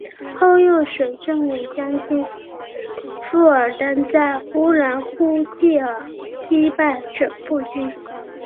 后又随振武将军傅尔丹在乌兰呼济尔击败准部军。